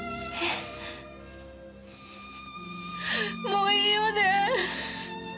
もういいよね？